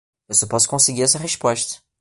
Eu só posso conseguir essa resposta